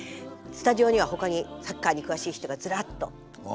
スタジオには、他にサッカーに詳しい人が、ずらっと。